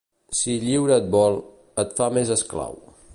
Si lliure et vol, et fa més esclau.